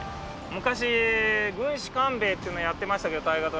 昔『軍師官兵衛』っていうのをやってましたけど大河ドラマで。